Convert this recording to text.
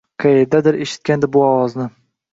Qayerdadir eshitgandi bu ovozni.